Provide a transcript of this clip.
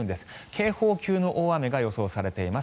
警報級の大雨が予想されています。